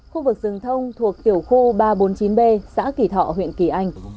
khu vực rừng thông thuộc tiểu khu ba trăm bốn mươi chín b xã kỳ thọ huyện kỳ anh